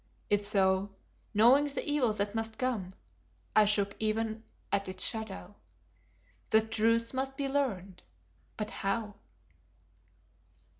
If so, knowing the evil that must come, I shook even at its shadow. The truth must be learned, but how?